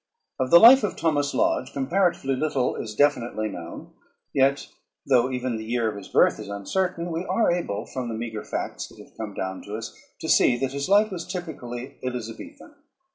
_ Of the life of Thomas Lodge comparatively little is definitely known. Yet, though even the year of his birth is uncertain, we are able from the meager facts that have come down to us to see that his life was typically Elizabethan.